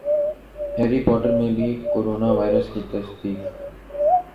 Harry Potter میں بھی corona virus کی تصدیق